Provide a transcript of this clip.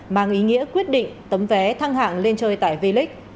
mang ý nghĩa quyết định tấm vé thăng hạng lên chơi tại vlic